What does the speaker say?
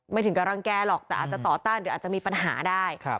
ถึงกำลังแก้หรอกแต่อาจจะต่อต้านหรืออาจจะมีปัญหาได้